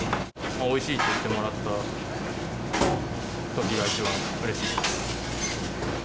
おいしいって言ってもらったときが一番うれしいです。